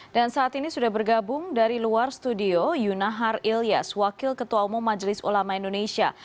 dan saat ini sudah bergabung dari luar studio yunahar ilyas wakil ketua umum majelis ulama indonesia